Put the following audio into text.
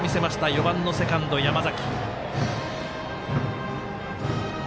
４番のセカンド、山崎。